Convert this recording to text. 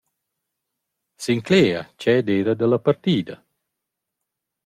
S’inclegia ch’eu d’eira da la partida.